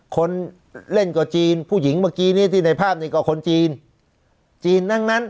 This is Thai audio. คนเล่นก็จีนผู้หญิงเมื่อกี้นี้ที่ในภาพนี้ก็คนจีนจีนทั้งนั้น